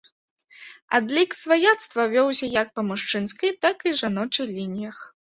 Адлік сваяцтва вёўся як па мужчынскай, так і жаночай лініях.